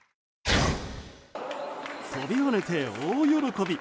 飛び跳ねて大喜び！